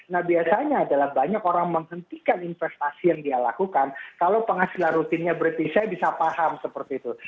nah biasanya adalah banyak orang menghentikan investasi yang dia lakukan kalau penghasilan rutinnya berpisah bisa paham seperti itu